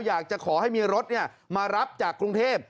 อยากจะขอให้มีรถมารับจากกรุงเทพ